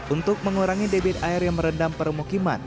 untuk mengurangi debit air yang merendam para mukiman